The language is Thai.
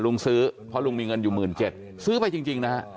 ลุงซื้อเพราะลุงมีเงินอยู่๑๗๐๐ซื้อไปจริงนะฮะ